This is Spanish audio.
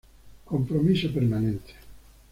Compromiso permanente.